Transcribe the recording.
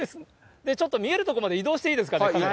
ちょっと見える所まで移動していいですかね、カメラ。